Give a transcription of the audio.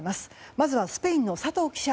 まずはスペインの佐藤記者